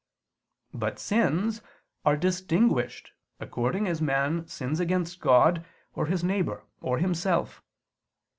But sins are distinguished according as man sins against God, or his neighbor, or himself.